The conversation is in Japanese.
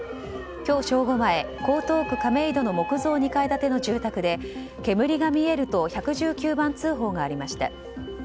今日正午前、江東区亀戸の木造２階建ての住宅で煙が見えると１１９番通報がありました。